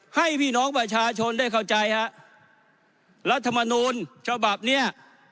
ให้พี่น้องประชาชนได้เข้าใจฮะรัฐมนูลฉบับเนี้ย